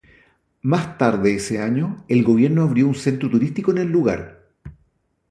Más tarde ese año, el gobierno abrió un centro turístico en el lugar.